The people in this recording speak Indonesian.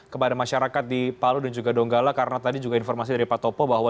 kepada masyarakat di palu dan juga donggala karena tadi juga informasi dari pak topo bahwa